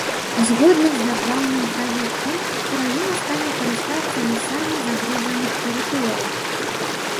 Згодна з дзяржаўным праектам, краіна стане карыстацца лясамі забруджаных тэрыторый.